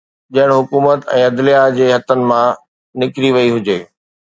ڄڻ حڪومت ۽ عدليه جي هٿن مان نڪري وئي هجي